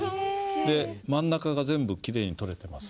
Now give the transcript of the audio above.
で真ん中が全部きれいに取れてます。